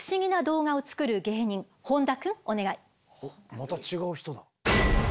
また違う人だ。